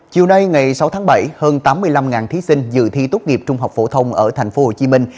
chiều nay ngày sáu tháng bảy hơn tám mươi năm thí sinh dự thi tốt nghiệp trung học phổ thông ở thành phố hồ chí minh